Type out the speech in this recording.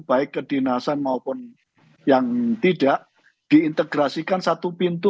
baik kedinasan maupun yang tidak diintegrasikan satu pintu